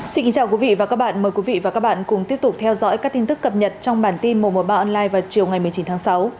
xin kính chào quý vị và các bạn mời quý vị và các bạn cùng tiếp tục theo dõi các tin tức cập nhật trong bản tin mùa mùa ba online vào chiều ngày một mươi chín tháng sáu